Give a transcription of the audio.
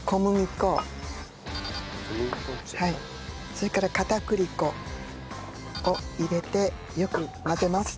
それから片栗粉を入れてよく混ぜます。